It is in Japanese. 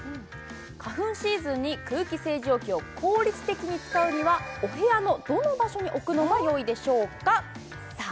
花粉シーズンに空気清浄機を効率的に使うにはお部屋のどの場所に置くのがよいでしょうかさあ